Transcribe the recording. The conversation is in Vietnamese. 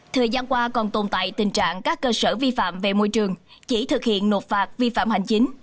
thời gian qua còn tồn tại tình trạng các cơ sở vi phạm về môi trường chỉ thực hiện nộp phạt vi phạm hành chính